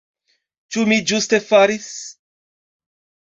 Ĉu mi ĝuste faris?